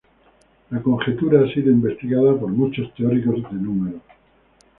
La conjetura ha sido investigada por muchos teóricos de números.